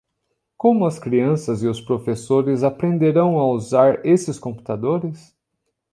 Como as crianças e os professores aprenderão a usar esses computadores?